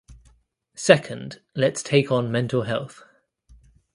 Second, let’s take on mental health.